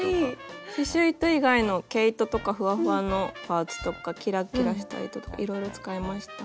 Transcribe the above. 刺しゅう糸以外の毛糸とかふわふわのパーツとかキラキラした糸とかいろいろ使いました。